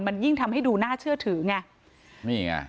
มันยิ่งทำให้ดูน่าเชื่อถือไงนี่ไง